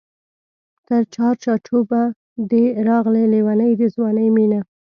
تر چار چوبه دی راغلې لېونۍ د ځوانۍ مینه